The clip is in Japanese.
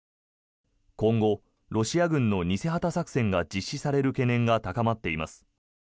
今後、ロシア軍の偽旗作戦が実施される懸念が高まっています。